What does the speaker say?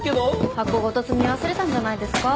箱ごと積み忘れたんじゃないですか？